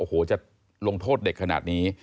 โอ้โหจะลงโทษเด็กขนาดนี้